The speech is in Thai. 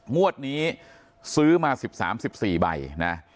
งวดนี้ซื้อมา๑๓๑๔ใบนะ